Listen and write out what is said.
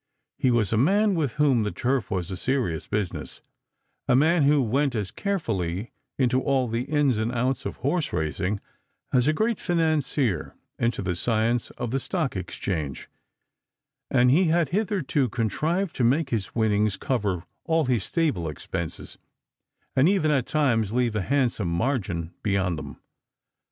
He was a man with whom the turf was a serious business; a man who went a8 carefully into all the ins and outs of horse racing, as a great financier into the science of the stock exchange; and he had hitherto contrived to make his winnings cover all his stable expenses, and even at times leave a handsome margin beyond them.